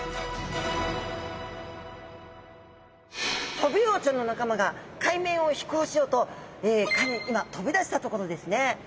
トビウオちゃんの仲間が海面を飛行しようと今飛び出したところですね！